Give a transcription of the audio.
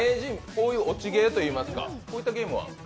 こういう落ちゲーといいますか、こういったゲームは？